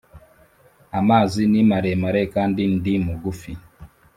amazi ni maremare kandi ndi mugufi.